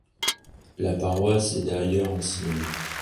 La paroisse est d'ailleurs ancienne.